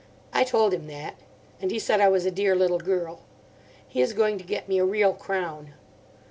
I told him that. And he said I was a dear little girl. He is going to get me a real crown.